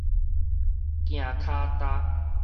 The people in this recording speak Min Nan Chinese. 行跤踏